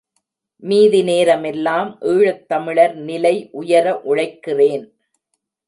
மீதி நேரமெல்லாம் ஈழத் தமிழர் நிலை உயர உழைக்கிறேன்.